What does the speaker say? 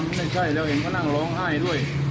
ไม่ใช่แล้วเห็นก็นั่งร้องไห้ด้วย